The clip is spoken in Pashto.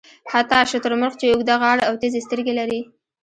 حتی شترمرغ چې اوږده غاړه او تېزې سترګې لري.